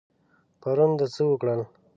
پرون د څه وکړل؟